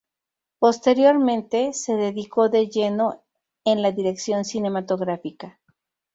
Posteriormente, se dedicó de lleno en la dirección cinematográfica.